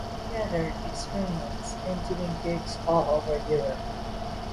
He gathered experience in doing gigs all over Europe.